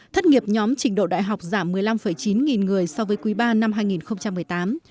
thất nghiệp nhóm trình độ đại học giảm một mươi năm chín nghìn người so với quý ba năm hai nghìn một mươi tám